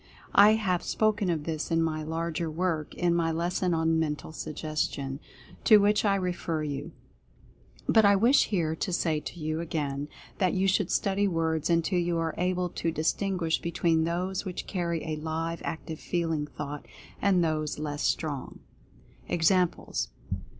I have spoken of this in my larger work, in my lesson on "Mental Suggestion," to which I refer you. But I wish here to say to you, again, that you should study words until you are able to distinguish between those which carry a live, active, feeling thought, and those less strong. EXAMPLES.